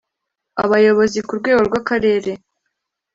Abayobozi ku rwego rw’Akarere